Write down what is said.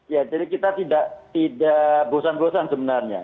ya jadi kita tidak bosan bosan sebenarnya